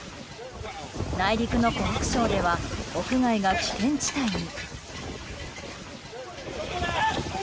内陸の湖北省では屋外が危険地帯に。